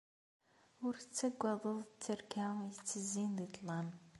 Ur tettaggadeḍ tterka ittezzin di ṭṭlam.